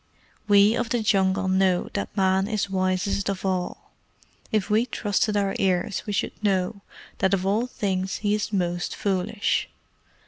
We of the Jungle know that Man is wisest of all. If we trusted our ears we should know that of all things he is most foolish."